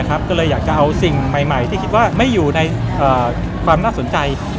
ก็เลยอยากจะเอาสิ่งใหม่ที่คิดว่าไม่อยู่ในความน่าสนใจ